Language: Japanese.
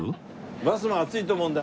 バスも暑いと思うんで。